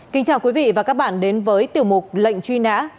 kính chào quý vị và các bạn đến với tiểu mục lệnh truy nã